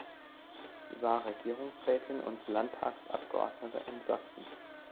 Sie war Regierungsrätin und Landtagsabgeordnete in Sachsen.